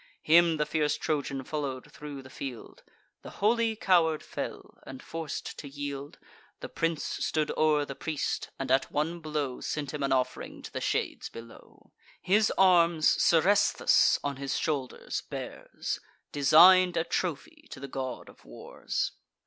Him the fierce Trojan follow'd thro' the field: The holy coward fell; and, forc'd to yield, The prince stood o'er the priest, and, at one blow, Sent him an off'ring to the shades below. His arms Seresthus on his shoulders bears, Design'd a trophy to the God of Wars.